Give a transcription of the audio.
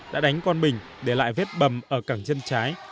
đã đánh con mình để lại vết bầm ở cẳng chân trái